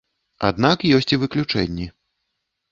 Аднак ёсць і выключэнні.